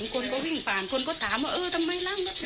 คนก็วิ่งผ่านคนก็ถามว่าเออทำไมล้างรถ